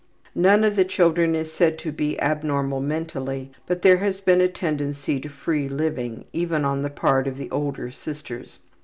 None of the children is said to be abnormal mentally, but there has been a tendency to free living, even on the part of the older sisters.